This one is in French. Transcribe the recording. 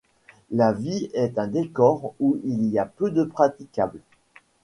La vie est un décor où il y a peu de praticables.